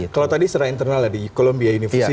kalau tadi secara internal ya di columbia university